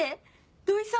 土井さん